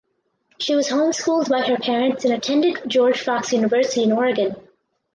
She was home schooled by her parents and attended George Fox University in Oregon.